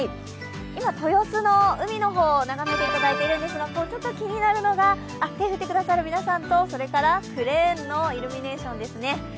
今、豊洲の海の方眺めていただいているんですがちょっと気になるのが手を振ってくれる皆さんとそれからクレーンのイルミネーションですね。